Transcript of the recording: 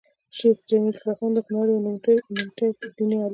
شيخ جميل الرحمن د کونړ يو نوموتی ديني عالم وو